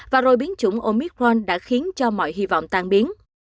và rồi biến chủng omicron đã khiến cho mọi hy vọng tan biến